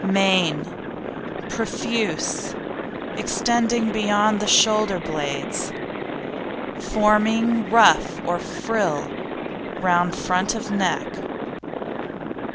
MANE Profuse, extending beyond shoulder blades, forming ruff or frill round front of neck.